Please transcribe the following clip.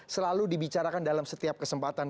selalu dibicarakan dalam setiap kesempatan